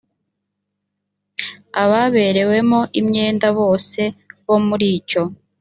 ababerewemo imyenda bose bo muri icyo